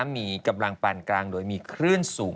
มีกำลังปานกลางโดยมีคลื่นสูง